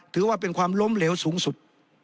ถือว่าเป็นความล้มเหลวสูงสุด